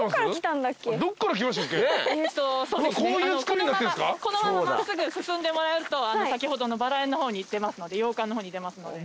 このまま真っすぐ進んでもらえると先ほどのバラ園の方に出ますので洋館の方に出ますので。